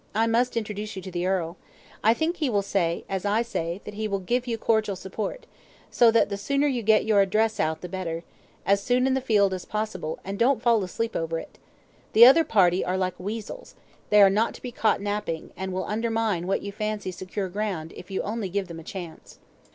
I must introduce you to the earl. I think he will say, as I say, that he will give you cordial support; so that the sooner you get your address out the better as soon in the field as possible, and don't fall asleep over it. The other party are like weasels they are not to be caught napping; and will undermine what you fancy secure ground, if you only give them a chance."